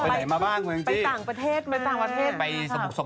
สวัสดีครับคุณแองจี้ครับผม